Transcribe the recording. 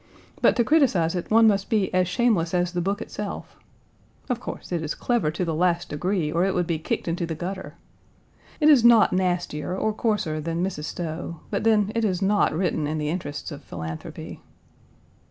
But to criticize it one must be as shameless as the book itself. Of course, it is clever to the last degree, or it would be kicked into the gutter. It is not nastier or coarser than Mrs. Stowe, but then it is not written in the interests of philanthropy.